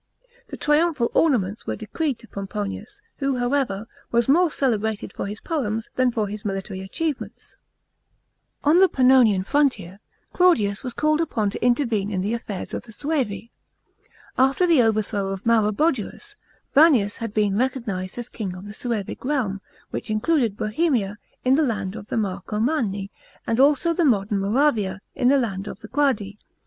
The triumphal ornaments were decreed to Pomponius, who, however, was more celebrated for his poems than for his military achievements. § 12. On the Pannonian frontier, Claudius was called upon to intervene in the affairs of the Suevi. After the overthrow of Maroboduus, Vannius had been recognised as king of the Suevic realm, which included Bohemia, the land of the Marcomanni, and also the modern Moravia, the land of the Quadi.